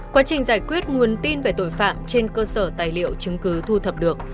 quá trình giải quyết nguồn tin về tội phạm trên cơ sở tài liệu chứng cứ thu thập được